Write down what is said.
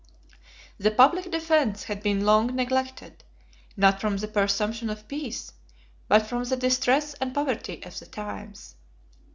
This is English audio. The public defence had been long neglected, not from the presumption of peace, but from the distress and poverty of the times.